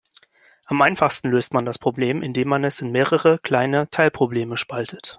Am einfachsten löst man das Problem, indem man es in mehrere kleine Teilprobleme spaltet.